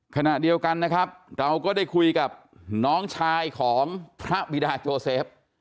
ขณะเดียวกันนะครับเราก็ได้คุยกับน้องชายของพระบิดาโจเซฟ